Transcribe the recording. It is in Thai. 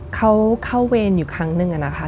เขาเข้าเวรอยู่ครั้งนึงอะนะคะ